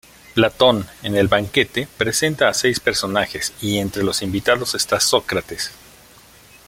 Platón en "El banquete" presenta a seis personajes, y entre los invitados está Sócrates.